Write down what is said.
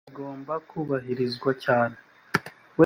ibi bigomba kubahirizwa cyane